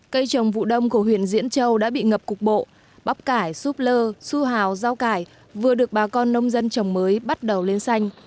cây trồng vụ đông của huyện diễn châu đã bị ngập cục bộ bắp cải súp lơ su hào rau cải vừa được bà con nông dân trồng mới bắt đầu lên xanh